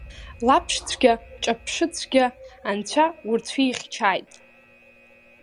Лаԥшцәгьа-ҿаԥшыцәгьа анцәа урцәихьчааит!